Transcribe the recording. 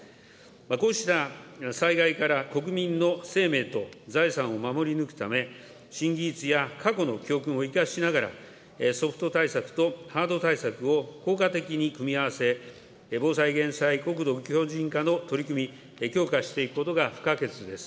こうした災害から国民の生命と財産を守り抜くため、新技術や過去の教訓を生かしながら、ソフト対策とハード対策を効果的に組み合わせ、防災・減災・国土強じん化の取り組み、強化していくことが不可欠です。